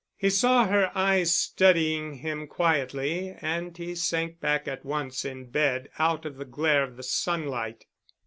He saw her eyes studying him quietly and he sank back at once in bed out of the glare of the sunlight.